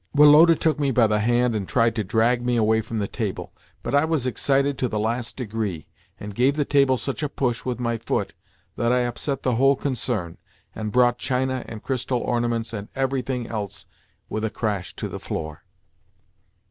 Woloda took me by the hand and tried to drag me away from the table, but I was excited to the last degree, and gave the table such a push with my foot that I upset the whole concern, and brought china and crystal ornaments and everything else with a crash to the floor.